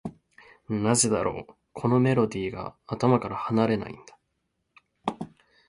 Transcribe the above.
なぜだろう、このメロディーが頭から離れないんだ。